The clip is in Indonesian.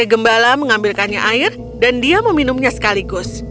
dia gembala mengambilkannya air dan dia meminumnya sekaligus